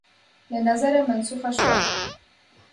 له نظره منسوخه شوه